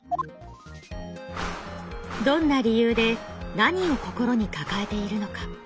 どんな理由で何を心に抱えているのか。